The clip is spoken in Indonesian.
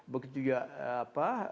begitu juga apa